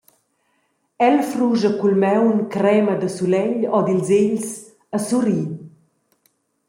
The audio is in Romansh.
El fruscha cul maun crema da sulegl ord ses egls e surri.